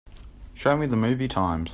Show me the movie times